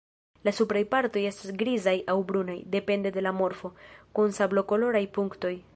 La supraj partoj estas grizaj aŭ brunaj, depende de la morfo, kun sablokoloraj punktoj.